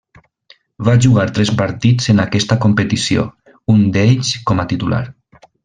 Va jugar tres partits en aquesta competició, un d'ells com a titular.